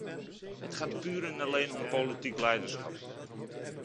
Het gaat puur en alleen om politiek leiderschap.